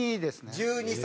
１２歳？